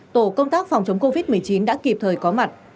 tổ công tác phòng chống covid một mươi chín đã kịp thời có mặt